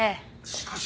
しかし！